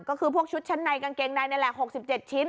ก็คือพวกชุดชั้นในกางเกงในแหละหกสิบเจ็ดชิ้น